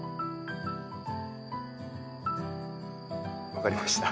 分かりました？